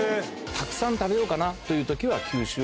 たくさん食べようかなという時は。